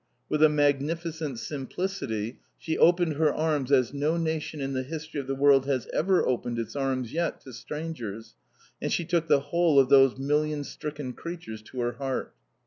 With a magnificent simplicity, she opened her arms as no nation in the history of the world has ever opened its arms yet to strangers, and she took the whole of those million stricken creatures to her heart.